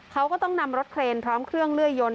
เขาก็ต้องนำรถเครนพร้อมเครื่องเลื่อยยน